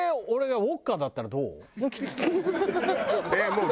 もう。